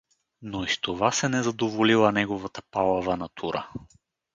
Но и с това се не задоволила неговата палава натура.